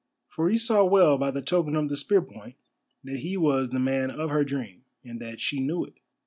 For he saw well by the token of the spear point that he was the man of her dream, and that she knew it.